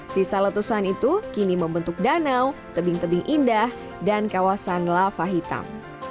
sisa letusan itu kini membentuk danau tebing tebing indah dan kawasan lava hitam